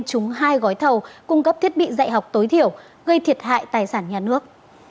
trúng hai gói thầu cung cấp thiết bị dạy học tối thiểu gây thiệt hại tài sản nhà nước